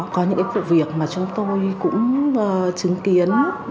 có những vụ việc mà chúng tôi cũng chứng kiến